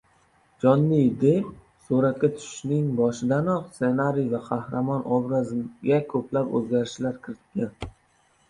Jonni Depp suratga tushishning boshidanoq ssenariy va qahramon obraziga ko‘plab o‘zgarishlar kiritgan